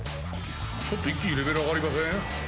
ちょっと一気にレベル上がりません？